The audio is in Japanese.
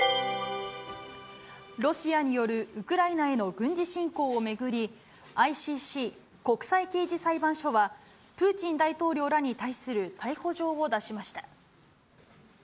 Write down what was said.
ロシアによるウクライナへの軍事侵攻を巡り、ＩＣＣ・国際刑事裁判所は、プーチン大統領らに対する逮捕状を出しました。